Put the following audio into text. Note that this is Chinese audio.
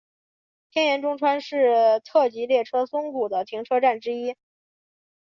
天盐中川是特急列车宗谷的停车站之一。